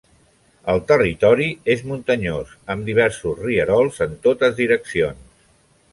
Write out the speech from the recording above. El territori és muntanyós amb diversos rierols en totes direccions.